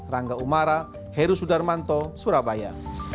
rangga umara heru sudarmanto surabaya